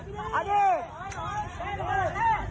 ไอ้โอ้มมึงจะเอากูเปล่า